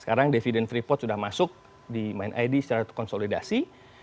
sekarang dividen freeport sudah masuk di myid secara konsolidasi